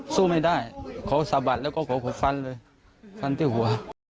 สู้ไม่ได้เขาสะบัดแล้วก็ขอฟันเลยฟันที่หัว